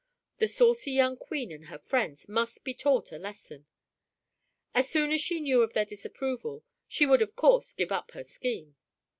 The saucy young Queen and her friends must be taught a lesson. As soon as she knew of their disapproval she would of course give up her scheme.